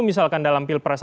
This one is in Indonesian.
misalkan dalam pilpres